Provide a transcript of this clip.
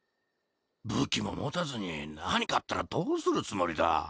武器も持たずに何かあったらどうするつもりだ？